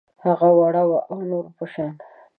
هغه وړه وه او د نورو په شان